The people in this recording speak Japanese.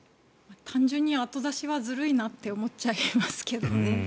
単純に後出しはずるいなって思っちゃいますけどね。